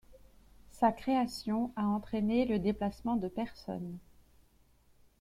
Sa création a entrainé le déplacement de personnes.